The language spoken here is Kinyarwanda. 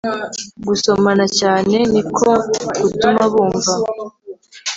gusomana cyane niko gutuma bumva